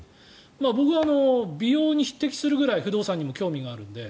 僕は美容に匹敵するぐらい不動産にも興味があるので。